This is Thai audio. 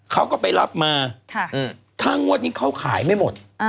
เขาก็ไปรับมาถ้างวดนี้เขาขายไม่หมด